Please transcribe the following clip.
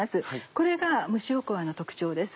これが蒸しおこわの特徴です。